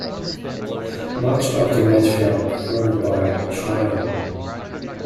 Much of the material performed by Trio!